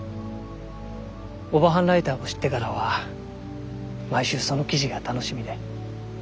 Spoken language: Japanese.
オバハンライターを知ってからは毎週その記事が楽しみで。